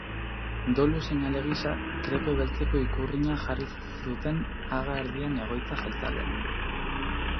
Dolu seinale gisa, krepe beltzeko ikurriña jarri zuten haga erdian egoitza jeltzalean.